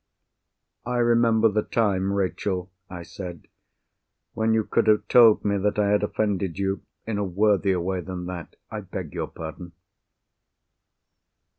"I remember the time, Rachel," I said, "when you could have told me that I had offended you, in a worthier way than that. I beg your pardon."